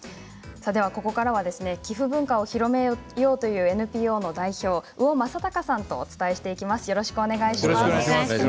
ここからは寄付文化を広めようというＮＰＯの代表鵜尾雅隆さんとお伝えしていきます。